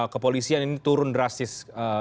kepolisian ini turun drastis